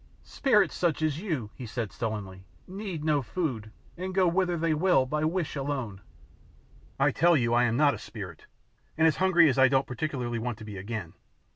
"Spirits such as you," he said sullenly, "need no food, and go whither they will by wish alone." "I tell you I am not a spirit, and as hungry as I don't particularly want to be again.